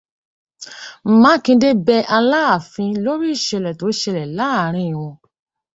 Mákindé bẹ Aláàfin lóri ìṣẹ̀lẹ̀ tó ṣẹlẹ̀ láàárín wọn.